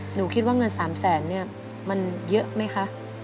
หนูคิดว่าเงิน๓แสนเนี่ยมันเยอะไหมคะ